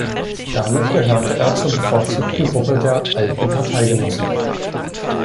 Damit gehörte er zur bevorzugten Gruppe der "Alten Parteigenossen".